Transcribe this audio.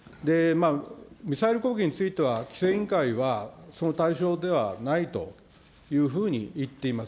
ミサイル攻撃については、規制委員会は、その対象ではないというふうに言っています。